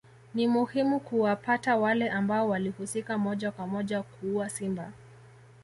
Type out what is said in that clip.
Ni muhimu kuwapata wale ambao walihusika moja kwa moja kuua Simba